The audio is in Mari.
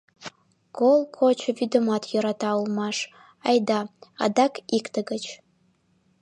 Кол кочо вӱдымат йӧрата улмаш, айда, адак икте гыч...